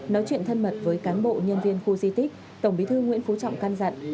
nói chuyện thân mật với cán bộ nhân viên khu di tích tổng bí thư nguyễn phú trọng căn dặn